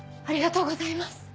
ありがとうございます！